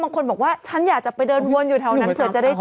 บางคนบอกว่าฉันอยากจะไปเดินวนอยู่แถวนั้นเผื่อจะได้เจอ